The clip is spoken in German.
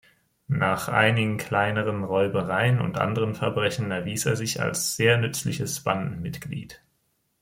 Nach einigen kleineren Räubereien und anderen Verbrechen erwies er sich als sehr nützliches Bandenmitglied.